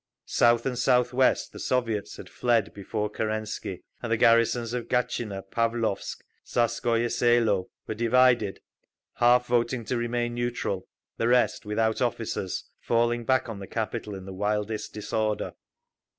South and south west the Soviets had fled before Kerensky, and the garrisons of Gatchina, Pavlovsk, Tsarskoye Selo were divided—half voting to remain neutral, the rest, without officers, falling back on the capital in the wildest disorder.